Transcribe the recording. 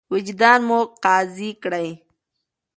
وجدان مو قاضي کړئ.